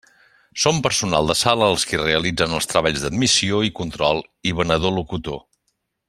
Són personal de sala els qui realitzen els treballs d'admissió i control, i venedor-locutor.